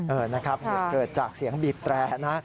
เออนะครับเหตุเกิดจากเสียงบีบแตรนะ